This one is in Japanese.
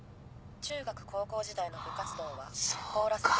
中学・高校時代の部活動はコーラス部。